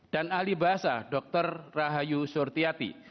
dan ahli bahasa dr rahayu surtiati